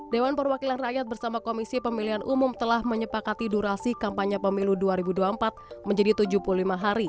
dewan perwakilan rakyat bersama komisi pemilihan umum telah menyepakati durasi kampanye pemilu dua ribu dua puluh empat menjadi tujuh puluh lima hari